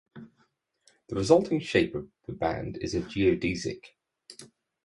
The resulting shape of the band is a geodesic.